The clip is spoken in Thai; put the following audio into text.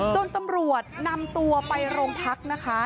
ตำรวจนำตัวไปโรงพักนะคะ